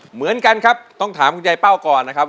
เหมือนกันครับต้องถามคุณยายเป้าก่อนนะครับ